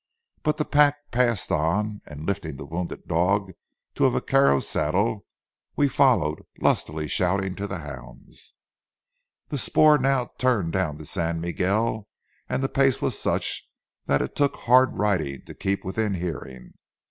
But the pack passed on, and, lifting the wounded dog to a vaquero's saddle, we followed, lustily shouting to the hounds. The spoor now turned down the San Miguel, and the pace was such that it took hard riding to keep within hearing. Mr.